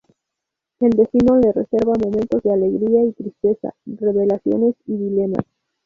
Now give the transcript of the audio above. El destino les reserva momentos de alegría y tristeza, revelaciones y dilemas.